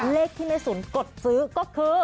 เลขที่แม่สุนกดซื้อก็คือ